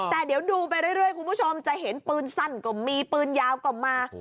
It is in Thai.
แต่เดี๋ยวดูไปเรื่อยคุณผู้ชมจะเห็นปืนสั้นก็มีปืนยาวก็มา